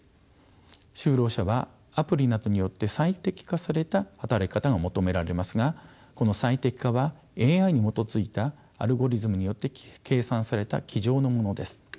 就労者はアプリなどによって最適化された働き方が求められますがこの最適化はＡＩに基づいたアルゴリズムによって計算された机上のものです。